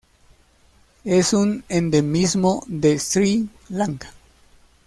Es un endemismo de Sri Lanka.